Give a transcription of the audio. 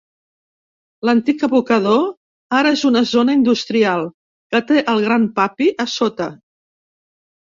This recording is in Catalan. L'antic abocador ara és una zona industrial, que té el "Grandpappy" a sota.